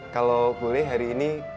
kalo boleh hari ini